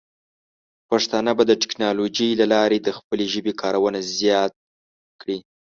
پښتانه به د ټیکنالوجۍ له لارې د خپلې ژبې کارونه زیات کړي.